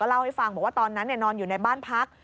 เล่าให้ฟังบอกว่าตอนนั้นนอนอยู่ในบ้านพัก